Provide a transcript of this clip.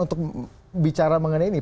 untuk bicara mengenai ini